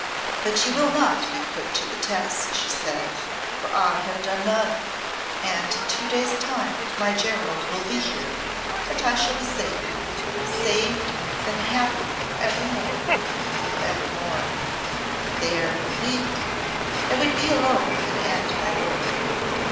"But you will not be put to the test," she said, "for I have done none. And in two days' time my Gerald will be here, and I shall be safe saved and happy for evermore for evermore. There, leave me! I would be alone and end my work."